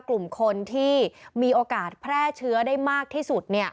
กลุ่มคนที่มีโอกาสแพร่เชื้อได้มากที่สุด